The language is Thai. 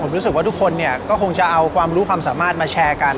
ผมรู้สึกว่าทุกคนเนี่ยก็คงจะเอาความรู้ความสามารถมาแชร์กัน